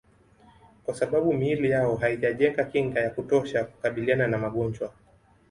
Kwa sababu miili yao haijajenga kinga ya kutosha kukabiliana na magonjwa